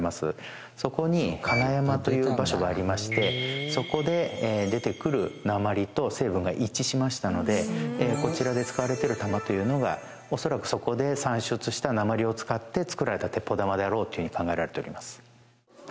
そこに鉛山という場所がありましてそこで出てくる鉛と成分が一致しましたのでこちらで使われてる弾というのが恐らくそこで産出した鉛を使ってつくられた鉄砲玉であろうというふうに考えられております。